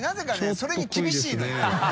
それに厳しいのよ。